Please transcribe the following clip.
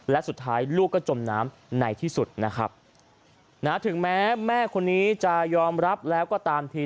และสุดท้ายลูกก็จมน้ำในที่สุดนะครับนะถึงแม้แม่คนนี้จะยอมรับแล้วก็ตามที